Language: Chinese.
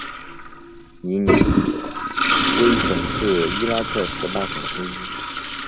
尼尼微省是伊拉克十八省之一。